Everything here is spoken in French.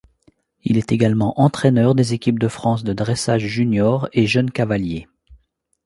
Il est également entraineur des équipes de France de Dressage Juniors et Jeunes Cavaliers.